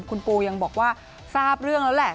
คุณปูยังบอกว่าทราบเรื่องแล้วแหละ